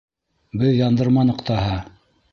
— Беҙ яндырманыҡ таһа.